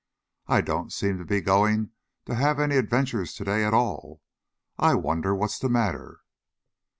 "I don't seem to be going to have any adventures today at all. I wonder what's the matter?"